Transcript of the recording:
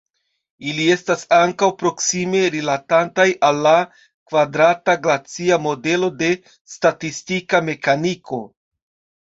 Ili estas ankaŭ proksime rilatantaj al la kvadrata glacia modelo de statistika mekaniko.